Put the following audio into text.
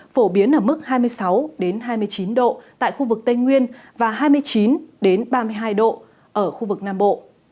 phổ biến ở mức hai mươi sáu hai mươi chín độ tại khu vực tây nguyên và hai mươi chín ba mươi hai độ ở khu vực nam bộ